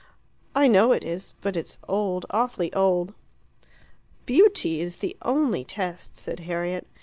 "I know it is. But it's old awfully old." "Beauty is the only test," said Harriet.